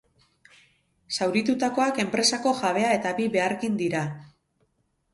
Zauritutakoak enpresako jabea eta bi behargin dira.